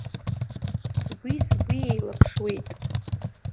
Сгәи-сгәи еилаԥшуеит.